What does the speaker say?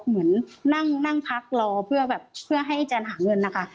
เหมือนนั่งพักรอเพื่อแบบเพื่อให้แจนหาเงินนะคะ